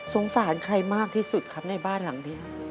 สงสารใครมากที่สุดครับในบ้านหลังเดียว